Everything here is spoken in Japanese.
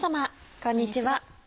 こんにちは。